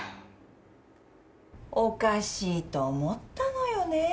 おかしいと思ったのよねえ。